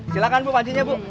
silahkan bu pancinya bu